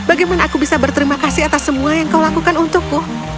bagaimana aku bisa berterima kasih atas semua yang kau lakukan untukku